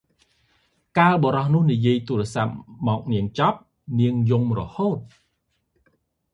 កាលបុរសនោះនិយាយទូរស័ព្ទមកនាងចប់ នាងយំរហូត ។